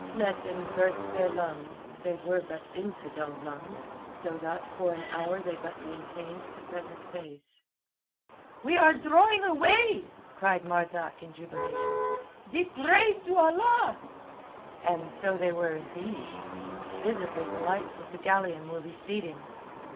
Let them burst their lungs—they were but infidel lungs!—so that for an hour they but maintained the present pace. "We are drawing away!" cried Marzak in jubilation. "The praise to Allah!" And so indeed they were. Visibly the lights of the galleon were receding.